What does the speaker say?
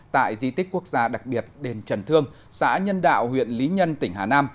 tại di tích quốc gia đặc biệt đền trần thương xã nhân đạo huyện lý nhân tỉnh hà nam